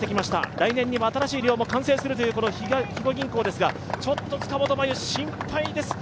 来年には新しい寮も完成するという肥後銀行ですが、ちょっと塚本真夕、心配です。